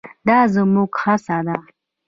دا زموږ هڅه ده.